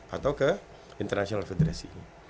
atau ke international federation